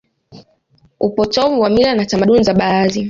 upotovu wa mila na tamaduni za baadhi